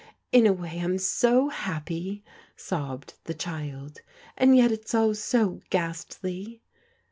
" In a way Fm so happy," sobbed the child, " and yet it's all so ghastly."